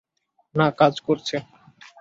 না, কাজ করছে।